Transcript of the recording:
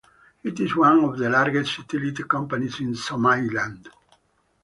It is one of the largest utility companies in Somaliland.